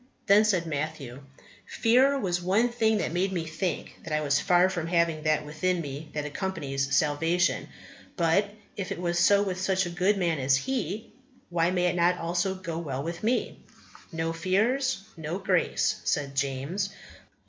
Then said Matthew, "Fear was one thing that made me think that I was far from having that within me that accompanies salvation; but if it was so with such a good man as he, why may it not also go well with me?" "No fears, no grace," said James.